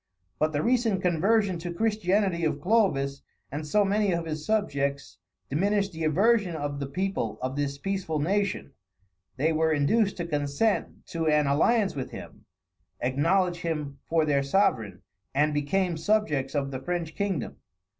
But the recent conversion to Christianity of Clovis and so many of his subjects, diminished the aversion of the people of this peaceful nation; they were induced to consent to an alliance with him, acknowledge him for their sovereign, and became subjects of the French kingdom.